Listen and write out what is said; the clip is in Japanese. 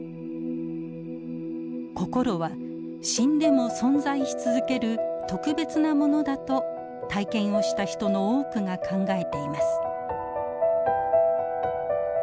心は死んでも存在し続ける特別なものだと体験をした人の多くが考えています。